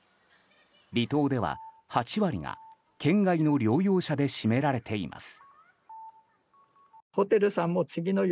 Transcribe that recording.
離島では８割が県外の療養者で占められています。